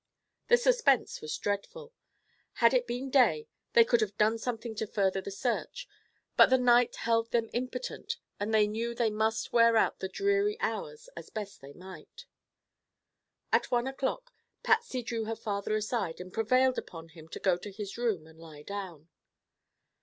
The suspense was dreadful. Had it been day, they could have done something to further the search, but the night held them impotent and they knew they must wear out the dreary hours as best they might. At one o'clock Patsy drew her father aside and prevailed upon him to go to his room and lie down.